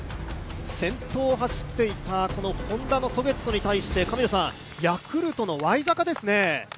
先頭を走っていたＨｏｎｄａのソゲットに対してヤクルトのワイザカですね。